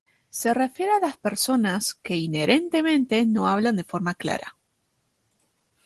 Se refiere a las personas que inherentemente no hablan de forma clara.